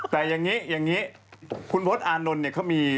แต่อย่างนี้อย่างนี้คุณพศอานนท์เนี่ยเขามี